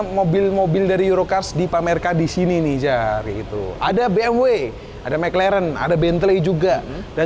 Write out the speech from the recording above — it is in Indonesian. ada mobil mobil dari eurocars di pamerka di sini nih jar ada bmw ada mclaren ada bentley juga dan